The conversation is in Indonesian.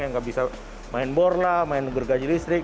yang nggak bisa main borla main gergaji listrik